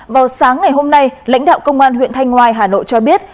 vào sáng ngày hôm nay lãnh đạo công an huyện thanh ngoài hà nội cho biết